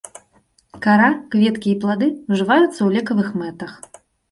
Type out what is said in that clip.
Кара, кветкі і плады ўжываюцца ў лекавых мэтах.